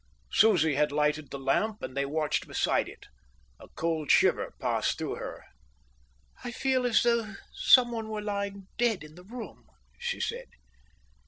Susie had lighted the lamp, and they watched beside it. A cold shiver passed through her. "I feel as though someone were lying dead in the room," she said.